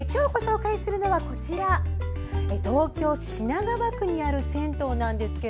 今回、ご紹介するのは東京・品川区にある銭湯です。